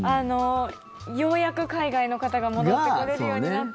ようやく海外の方が戻ってこれるようになって。